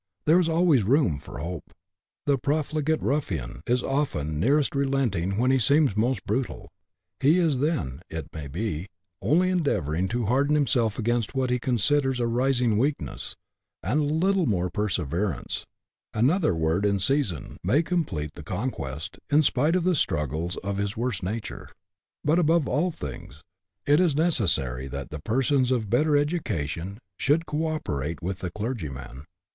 There is always room for hope ; the profligate ruffian is often nearest relenting when he seems most brutal ; he is then, it may be, only endeavouring to harden himself against what he considers a rising weakness, and a little more perseverance, another word in season, may complete the conquest, in spite of the struggles of his worse nature. But, above all things, it is necessary that the persons of better education should co operate with the clergyman.